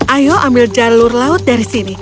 ayo ambil jalur laut dari sini